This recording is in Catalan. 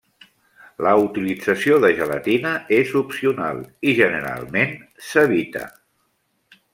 La utilització de gelatina és opcional, i generalment s'evita.